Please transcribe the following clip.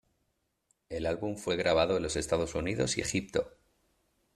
El álbum fue grabado en los Estados Unidos y Egipto.